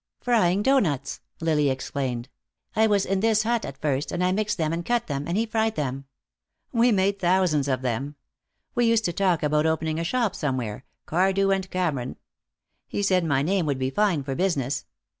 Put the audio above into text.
"Frying doughnuts," Lily explained. "I was in this hut at first, and I mixed them and cut them, and he fried them. We made thousands of them. We used to talk about opening a shop somewhere, Cardew and Cameron. He said my name would be fine for business.